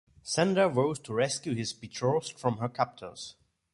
Sandor vows to rescue his betrothed from her captors.